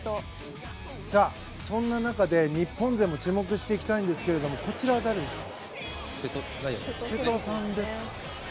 そんな中で日本勢に注目していきたいんですがこちらは瀬戸さんですかね。